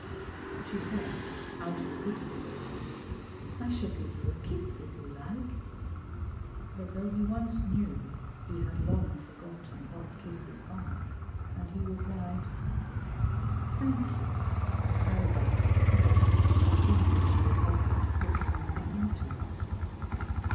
She said, out of pity for him, "I shall give you a kiss if you like," but though he once knew he had long forgotten what kisses are, and he replied, "Thank you," and held out his hand, thinking she had offered to put something into it.